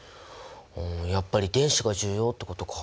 うんやっぱり電子が重要ってことか。